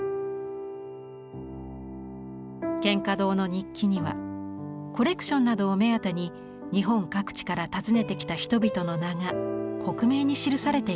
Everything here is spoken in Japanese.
蒹葭堂の日記にはコレクションなどを目当てに日本各地から訪ねてきた人々の名が克明に記されています。